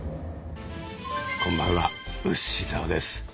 こんばんはウシ澤です。